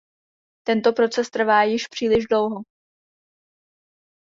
Tento proces trvá již příliš dlouho.